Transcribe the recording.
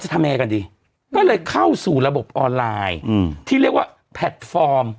ทำยังไงกันดีก็เลยเข้าสู่ระบบออนไลน์อืมที่เรียกว่าแพลตฟอร์ม